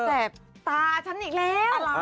แบบตาฉันอีกแล้ว